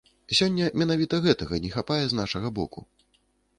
Сёння менавіта гэтага не хапае з нашага боку.